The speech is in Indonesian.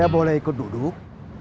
saya boleh ikut duduk